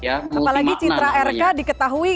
apalagi citra rk diketahui